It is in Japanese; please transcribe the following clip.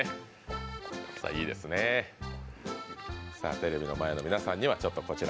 テレビの前の皆さんにはこちら。